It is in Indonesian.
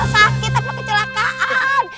sakit apa kecelakaan